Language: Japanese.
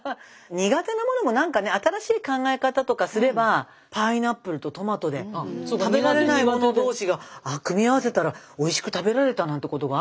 苦手なものも何かね新しい考え方とかすればパイナップルとトマトで食べられないもの同士が組み合わせたらおいしく食べられたなんてことがあるんですって。